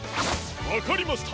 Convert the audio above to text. わかりました！